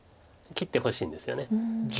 切ってほしいんですよね。